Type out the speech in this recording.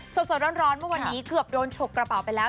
สดร้อนเมื่อวันนี้เกือบโดนฉกกระเป๋าไปแล้ว